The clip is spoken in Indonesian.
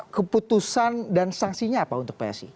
keputusan dan sanksinya apa untuk psi